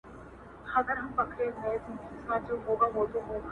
سهار څاښت مهال کندهاری ملګری